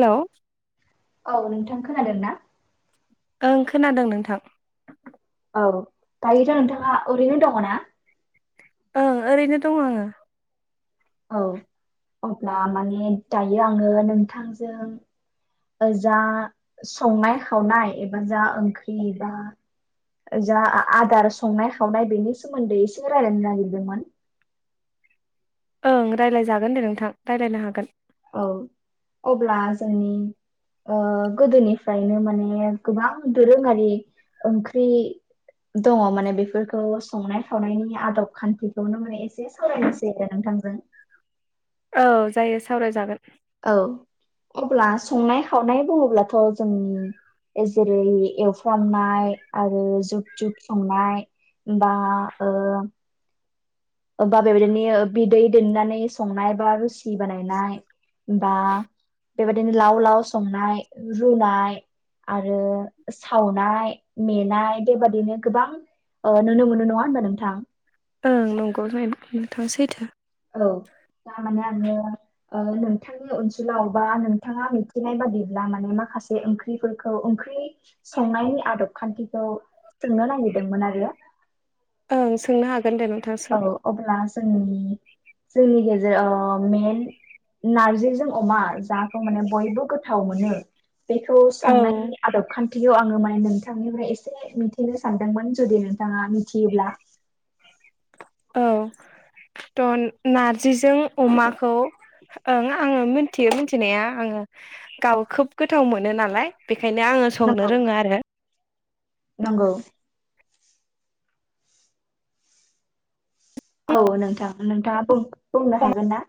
हेल' औ नोंथां खोनादों ना? ओं खोनादों नोंथां। औ दायोथ' नोंथाङा ओरैनो दङ' ना? ओं ओरैनो दङ' आङो। औ अब्ला माने दायो आङो नोंथांजों ओ जा संनाय खावनाय एबा जा ओंख्रि एबा ओ जा आदार संनाय खावनाय बेनि सोमोन्दै एसे रायलायनो नागिरदोंमोन। ओं रायलायजागोन दे नोंथां रायलायनो हागोन। औ अब्ला जोंनि ओ गोदोनिफ्रायनो माने गोबां दोरोङारि ओंख्रि दङ' माने बेफोरखौ संनाय खावनायनि आदब खान्थिखौनो माने एसे सावरायनोसै आरो नोंथांजों। औ जायो सावरायजागोन। औ अब्ला संनाय खावनाय बुङोब्लाथ' जोंनि ए जेरै एवफ्रामनाय आरो जुब जुब संनाय बा ओ ओबबा बेबायदिनो बिदै दोननानै संनाय बा रोसि बानायनाय बा बेबायदिनो लाव लाव संनाय रुनाय आरो सावनाय मेनाय बेबादिनो गोबां ओ नुनो मोनो नङा ओनबा नोंथां ओं नंगौ जाहैबाय [unintelligible] नोंथां सैथो औ थारमाने आङो ओ नोंथांनि ओनसोलाव बा नोंथाङा मिथिनाय बादिब्ला माने माखासे ओंख्रिफोरखौ ओंख्रि संनायनि आदब खान्थिखौ सोंनो नायगिरदोंमोन आरो ओं सोंनो हागोन दे नों औ अब्ला जोंनि जोंनि गेजेराव मेहेन नारजिजों अमा जाखौ माने बयबो गोथाव मोनो बेखौ औ संनायनि आदब खान्थिखौ आङो माने नोंथांनिफ्राय एसे मिथिनो सानदोंमोन जुदि नोंथाङा मिथियोब्ला औ त' नारजिजों अमाखौ ओं आङो मिथियो मिथिनाया आङो गाव खोब गोथाव मोनो नालाय। बेखायनो आङो संनो नंगौ रोङो आरो नंगौ औ नोंथां नोंथाङा बुं बुंनो हागोनना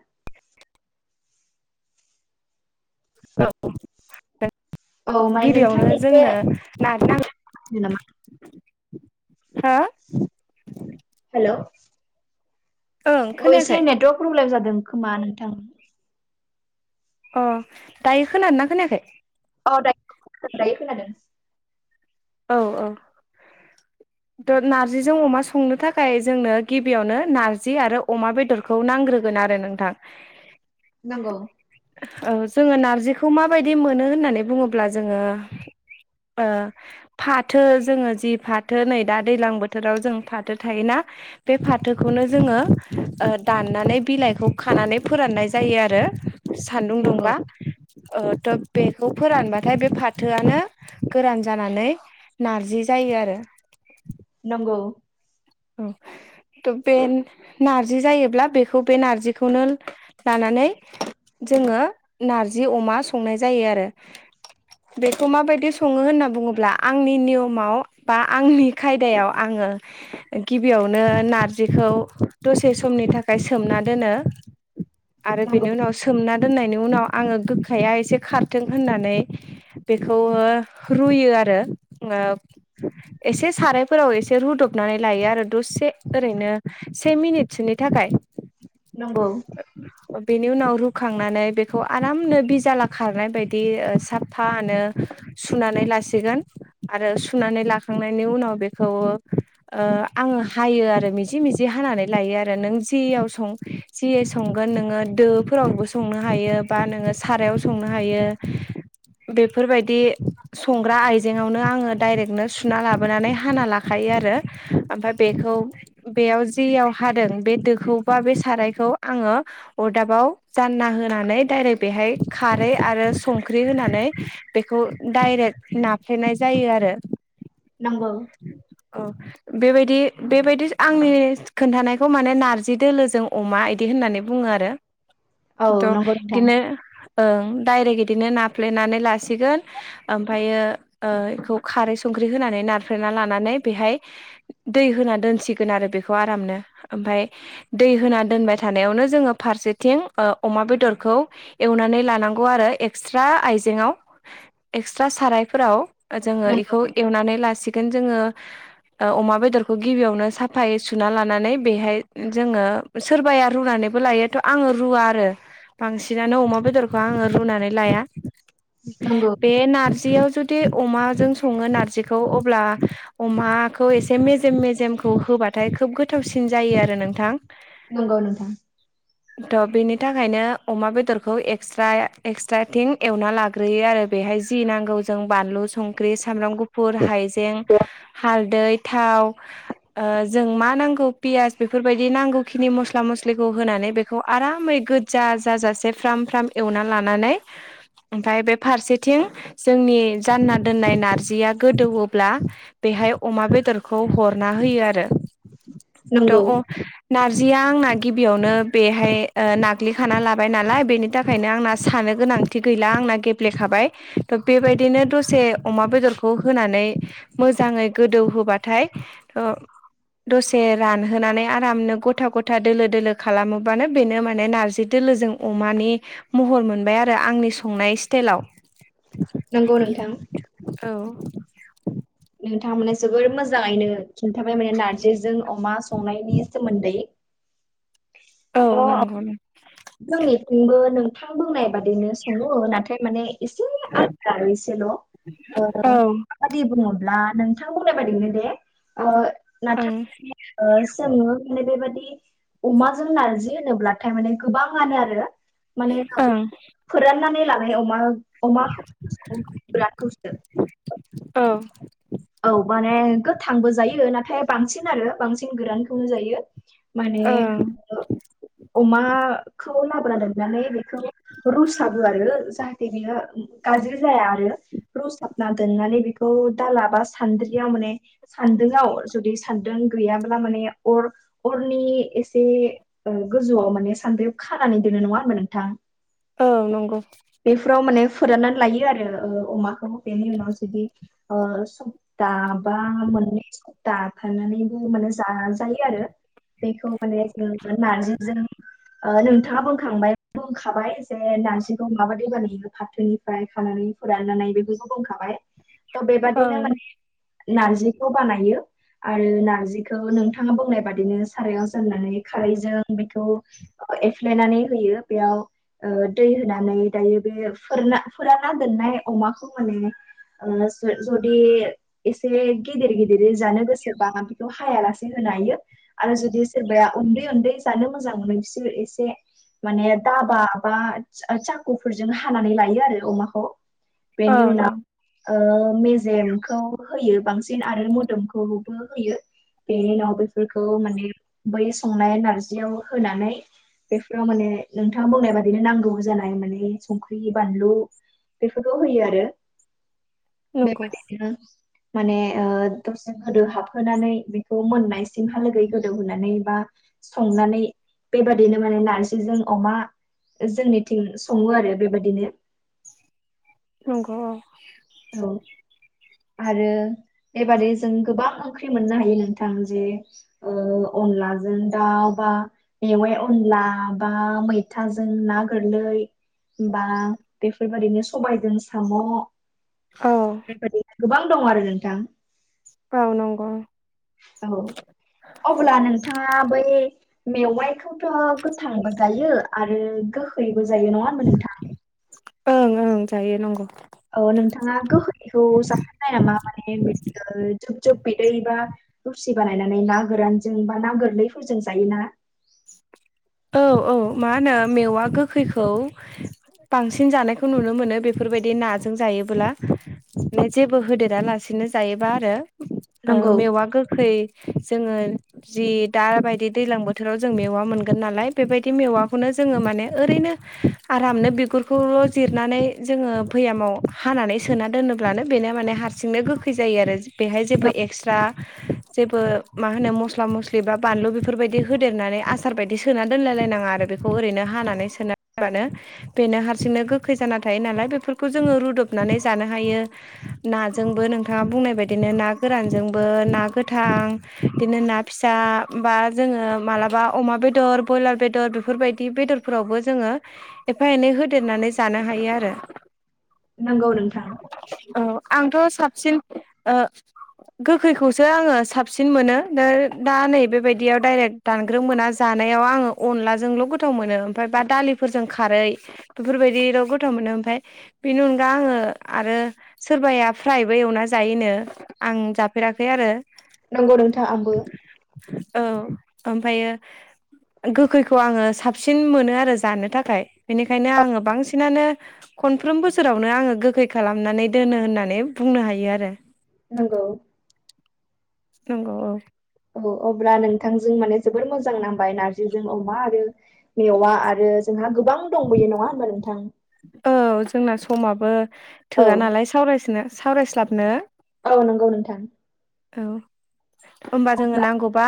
औ औ माने गिबियावनो नोंथांनि एसे जोंनो ना [unintelligible] नांगौ नामा हो हेलौ ओं ओ खोनायाखै एसे नेटवार्क प्रब्लेम जादों खोमा नोंथां अ दायो खोनादोना खोनायाखै? अ दा दायो खोनादों। औ औ [inaudible] थ' नारजिजों अमा संनो थाखाय जोंनो गिबियावनो नारजि आरो अमा बेदर खौ नांग्रोगोन आरो नोंथां। नंगौ ओ जोङो नारजिखौ माबायदि मोनो होननानै बुङोब्ला जोङो ओ फाथो जोङो जि फाथो नै दा दैज्लां बोथोराव जों फाथो थायोना बे फाथोखौनो जोङो ओ दाननानै बिलाइखौ खानानै फोराननाय जायो आरो। सान्दुं नंगौ दुंबा ओ त' बेखौ फोरानबाथाय बे फाथोआनो गोरान जानानै नारजि जायो आरो। नंगौ औ त' बे नारजि जायोब्ला बेखौ बे नारजिखौनो लानानै जोङो नारजि अमा संनाय जायो आरो [inaudible] बेखौ माबायदि सङो होनना बुङोब्ला आंनि नियमाव बा आंनि खायदायाव आङो [inaudible] गिबियावनो नारजिखौ दसे समनि थाखाय सोमना दोनो आरो बेनि नंगौ उनाव सोमना दोननायनि उनाव आङो गोखाया एसे खारथों होननानै बेखौ ओ रुयो आरो ओ एसे सारायफोराव एसे रुदबनानै लायो आरो दसे ओरैनो से मिनिटसोनि थाखाय नंगौ। बेनि उनाव रुखांनानै बेखौ आरामनो बिजाला खारनाय बायदि साब फानो सुनानै लासिगोन आरो सुनानै लाखांनायनि उनाव बेखौ ओ आङो हायो आरो मिजि मिजि हानानै लायो आरो नों जियाव सं जियै सं संगोन नोङो दोफोरावबो संनो हायो बा नोङो सारायाव संनो हायो बेफोरबायदि संग्रा आइजेंयावनो आङो डाइरेक्टनो सुना लाबोनानै हाना लाखायो आरो ओमफ्राय बेखौ बेयाव जियाव हादों बे दोखौ बा बे सारायखौ आङो अरदाबाव जानना होनानै डायरेक्ट बेहाय खारै आरो संख्रि होनानै बेखौ डाइरेक्ट नाफ्लेनाय जायो आरो नंगौ औ बेबायदि बेबायदि आंनि खोन्थानायखौ माने नार्जि दोलोजों अमा बिदि होननानै बुंङो आरो औ थ' नंगौ नोंथां बिदिनो ओं डायरेक्ट बिदिनो नाफ्लेनानै लासिगोन ओमफ्रायो बेखौ खारै संख्रि होनानै नारफेना लानानै बेहाय दै होना दोनसिगोन आरो बेखौ आरामनो ओमफाय दै होना दोनबाय थानायावनो जोंङो फारसेथिं अमा बेदरखौ एवनानै लानांगौ आरो एक्सट्रा आयजेंआव एक्सट्रा सारायफोराव जोंङो नंगौ बेखौ एवनानै लासिगोन जोंङो अमा बेदरखौ गिबियावनो साफायै सुना लानानै बेहाय जोंङो सोरबाया रुनानैबो लायोथ' आंङो रुवा आरो बांसिनानो अमा बेदरखौ आङो रुनानै लाया नंगौ बे नारजियाव जुदि अमाजों संङो नारजिखौ अब्ला अमाखौ एसे मेजेम मेजेमखौ होबाथाय खोब गोथावसिन जायो आरो नोंथां नंगौ [inaudible] थ' बिनि थाखायनो अमा बेदरखौ एक्सट्राथिं एवना लाग्रोयो आरो बेहाय जि नांगौ जों बानलु संख्रि सामब्राम गुफुर हायजें हा हालदै थाव ओ जों मा नांगौ पियास बेफोरबायदि नांगौखिनि मस्ला मस्लिखौ होनानै बेखौ बेखौ आरामै गोजा जाजासे फ्राम फ्राम एवना लानानै ओमफफ्राय बे फारसेथिं जोंनि जानना दोननाय नारजिया गोदौ ब्ला बेहाय अमा बेदरखौ हरना होयो आरो थ नंगौ नारजिया आंना गिबियावनो बेहाय नाग्लिखाना लाबाय नालाय बेनि थाखायनो आंना सानो गोनां थि गैला आंना गेब्लेखाबाय थ' बेबायदिनो दसे अमा बेदरखौ होनानै मोजाङै गोदौहोबाथाय दसे रानहोनानै आरामनो गथा गथा दोलो दोलो खालामोबानो बेनो माने नार्जि दोलोजों अमानि महर मोनबाय आरो आंनि संनाय नंगौ नोंथां स्टाइलाव औ नोंथांमोना जोबोर मोजाङैनो खिन्थाबाय माने नारजिजों अमा संनायनि सोमोन्दै औ नंगौ नों जोंनिफ्रायबो नोंथां बुंनाय बादिनो सङो नाथाय माने एसे आलादा आरो एसेल' ओ औ बाददि बुःङोब्ला नोंथां बुंनाय बाददिनो दे नथाय ओं जोंङो माने बेबादि अमाजों नारजि होनोब्लाथाय माने गोबाङानो आरो माने फोराननानै लानाय अमा अमाखौ अमा औ औ माने गोथांबो जायो नाथाय बांसिन आरो बांसिन गोरानखौनो जायो माने ओं अमाखौ लाबोना दोननानै बेखौ रुसाबो आरो जाहाथे बियो गाज्रि जाया आरो रुसाबना दोननानै बेखौ दाला बा सान्द्रियाव माने सान्दुंआव जुदि सान्दुं गैयाब्ला माने अर अरनि एसे गोजौआव माने सद्रि खानानै दोनो नङा होनबा नोंथां औ नंगौ बेफोराव माने फोराननानै लायो आरो अमाखौ बेनि उनाव जुदि दाबा मोननै दाखानानैबो माने जा जायो आरो बेखौ माने जो नारजिजों नोंथांङा बुंखांबाय बुंखाबाय जे नार्जिखौ माबा दै बानाययो फाथोनिफ्राय खानानै फोराननानै बेखौस बुंखाबाय थ ओं बेबादिनो माने नारजिखौ बानायो आरो नारजिखौ नोंथाङा बुंनाय बादिनो सारायाव जाननानै खारैजों बेखौ एफ्लेनानै होयो बेयाव दै होनानै दायो बे फोरा फोराना दोननाय अमाखौ माने आ जदि एसे गिदिर गिदिर जानो गोसोबा आ बेखौ हायालासे होनो हायो आरो जुदि सोरबाया उन्दै उन्दै जानो मोजां मोनो बिसोर एसे माने दाबा बा साखुफोरजों हानानै लायो आरो अमाखौ बेनि ओं ओं उनाव मेजेमखौ होयो बांसिन आरो मोदोमखौबो होयो बेनि उनाव बे फोरखौ माने बै संनाय नारजियाव होनानै बेफोराव माने नोंथाङा बुंनाय बादिनो नांगौ जानाय माने संख्रि बानलु बेफोरखौ होयो आरो नंगौ बेबायदिनो माने दसे गोदौ हाबहोनानै बेखौ मोननायसिमहालागै गोदौहोनानै बा संनानै बेबादिनो माने नारजिजों अमा जोंनिथिं सङो आरो बेबायदिनो नंगौ औ औ आरो बेबादि जों गोबां ओंख्रि मोननो हायो नोंथां जे अनलाजों दाउ बा मेवाइ अनला बा मैथाजों ना गोरलै बा बेफोरबायाददिनो सबायजों साम' औ बेबायदि गोबां दं आरो नोंथां औ नंगौ औ अब्ला नोंथाङा बै मेवाइखौथ' गोथांबो जायो आरो गोहैबो जायो नङा होनबा नोंथां ओं ओं जायो नांगौ औ नोंथाङा गोखैखौ जाखोननाय नामा माने बि जुब जुब बिदै बा रुसि बानायनानै ना गोरानजों बा ना गोरलैफोरजों जायोना औ औ मा होनो मेवा गोखैखौ बांसिन जानायखौ नुनो मोनो बेफोरबायदि नाजों जायोब्ला बे जेबो होदेरा लासिनो जायोबा आरो नंगौ मेवा गोखै जोङो जि दााबायदि दैजलां बोथोराव जों मेवा मोनगोन थांगोन नालाय बेबायदि मेवाखौनो जोङो माने ओरैनो आरामनो बिगुरखौल' जिरनानै जोङो फैयामाव हानानै सोना दोनोब्लानो बेनो माने हारं जोंनो गोखै जायो आरो बेहाय जेबो नं- एक्सट्रा जेबो मा होनो मस्ला मस्लि बा बानलु बेफोरबायदि होदेरनानै आस आस आसार बायदि सोना दोनलायलायनाङा आरो बेखौ ओरैनो हानानै सोनाबानो बेनो हारसिंनो गोखै जाना थायो नालाय बेफोरखौ जोङो रुदबनानै जानो हायो नाजोंबो नोंथाङा बुंनाय बायदिनो ना गोरानजोंबो ना गोथां बिदिनो ना फिसा बा जोङो मालाबा अमा बेदर बयलार बेदर बेफोरबायदि बेदरफोरावबो जोङो एफा एनै होदेरनानै जानो हायो आरो। नंगौ नोंथां। औ आंथ' साबसिन ओ गोखैखौसो आङो साबसिन मोनो नों दा नै बेबायदियाव डाइरेक्ट दान ग्रो मोना जानायाव आङो अनलाजोंल' गोथाव मोनो ओमफ्राय बा दालिफोरजों खारै बेफोरबायदिल' गोथाव मोनो ओमफाय बेनि अनगा आङो आरो सोरबाया फ्रायबो एवना जायोनो आं जाफेराखै आरो नंगौ नोंथां आंबो औ ओमफायो गोखैखौ आङो साबसिन मोनो आरो जानो थाखाय बेनिखायनो आङो बांसिनानो खनफ्रोम बोसोरावनो आङो गोखै खालामनानै दोनो होननानै बुंनो हायो आरो नंगौ नंगौ औ औ अब्ला नोंथांजों माने जोबोर मोजां नांबाय नारजिजों अमा आरो मेवा आरो जोंहा गोबां दंबोयो नङा होमबा नोंथां? औ जोंना समाबो औ थोआ नालाय सावरायस्नो सावरायस्लाबनो औ नंगौ नोंथां औ ओमबा जोङो अब्ला नांगौबा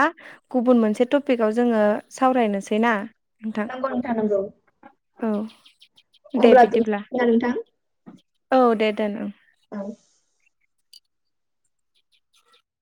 गुबुन मोनसे टपिकाव जोङो सावरायनोसै ना? नोंथां नंगौ नोंथां नंगौ। औ दे अब्ला बिदिब्ला दोनथ'नोसै ना नोंथां औ दे दोन ओं औ